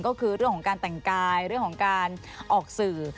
ก็คือเรื่องของการแต่งกายเรื่องของการออกสื่อ